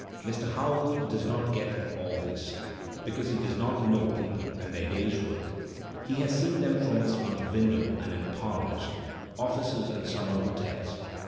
Mr. Howells does not get at all this, because he does not know people and their day's work; he has seen them from his front window and in parlours, offices and summer hotels.